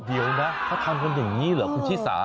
เดี๋ยวนะเขาทำกันอย่างนี้เหรอคุณชิสา